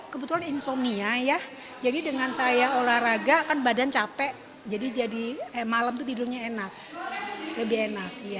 kebetulan insomnia ya jadi dengan saya olahraga kan badan capek jadi malam itu tidurnya enak lebih enak